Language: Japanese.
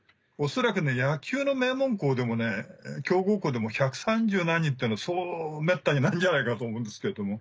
恐らく野球の名門校でも強豪校でも１３０何人っていうのはそうめったにないんじゃないかと思うんですけれども。